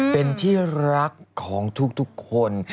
เป็นที่รักของทุกคน